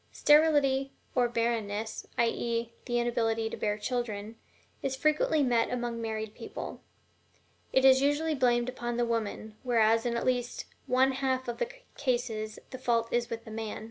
Sterility, or barrenness, i. e., the inability to bear children, is frequently met with among married people. It is usually blamed upon the woman, whereas in at least one half of the cases the fault is with the man.